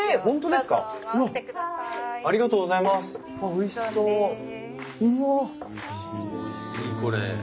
おいしいこれ。